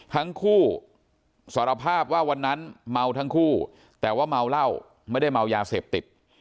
ทั้งคู่สารภาพว่าวันนั้นเมาทั้งคู่แต่ว่าเมาเหล้าไม่ได้เมายาเสพติด